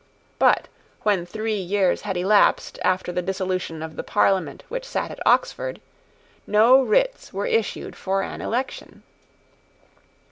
But, when three years had elapsed after the dissolution of the Parliament which sate at Oxford, no writs were issued for an election.